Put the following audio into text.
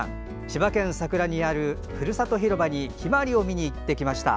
千葉県佐倉市にあるふるさと広場にヒマワリを見に行ってきました。